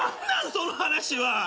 その話は。